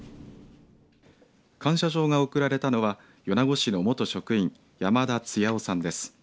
感謝状が贈られたのは米子市の元職員山田津八百さんです。